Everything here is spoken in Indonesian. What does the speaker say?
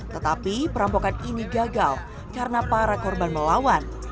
tetapi perampokan ini gagal karena para korban melawan